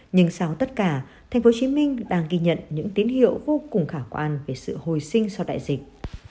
nhưng sau tất cả tp hcm đang ghi nhận những tín hiệu vô cùng khả quan về sự hồi sinh sau đại dịch